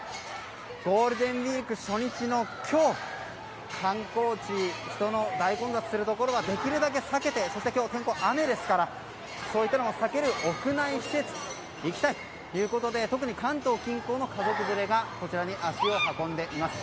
ゴールデンウィーク初日の今日観光地、人の大混雑するところはできるだけ避けて天候は今日、雨ですからそういったことを避ける屋内施設に行きたいということで特に関東近郊の家族連れがこちらに足を運んでいます。